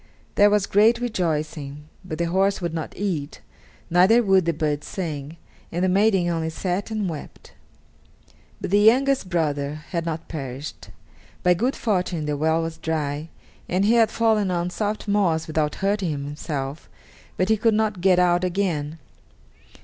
There was great rejoicing, but the horse would not eat, neither would the bird sing, and the maiden only sat and wept. But the youngest brother had not perished. By good fortune the well was dry, and he had fallen on soft moss without hurting himself, but he could not get out again.